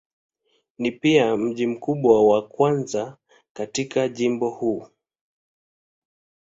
Ni pia mji mkubwa wa kwanza katika jimbo huu.